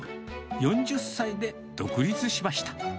４０歳で独立しました。